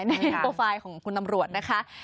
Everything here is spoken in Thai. ในโปรไฟล์ของคุณตำรวจนะคะ